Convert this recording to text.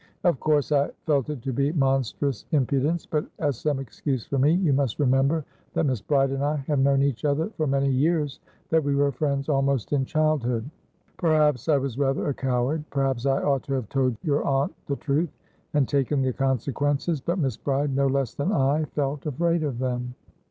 "Of course I felt it to be monstrous impudence, but, as some excuse for me, you must remember that Miss Bride and I have known each other for many years, that we were friends almost in childhood. Perhaps I was rather a coward. Perhaps I ought to have told your aunt the truth, and taken the consequences. But Miss Bride, no less than I, felt afraid of them."